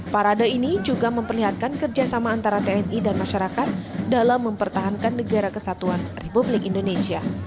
parade ini juga memperlihatkan kerjasama antara tni dan masyarakat dalam mempertahankan negara kesatuan republik indonesia